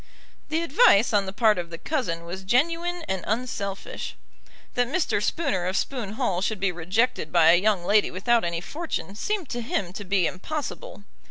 The advice on the part of the cousin was genuine and unselfish. That Mr. Spooner of Spoon Hall should be rejected by a young lady without any fortune seemed to him to be impossible.